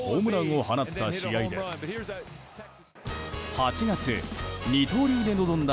８月、二刀流で臨んだ